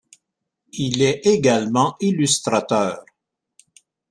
Il est également illustrateur.